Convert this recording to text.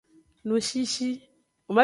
Ngshishi.